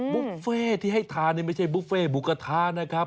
บุฟเฟ่ที่ให้ทานนี่ไม่ใช่บุฟเฟ่หมูกระทะนะครับ